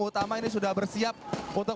utama ini sudah bersiap untuk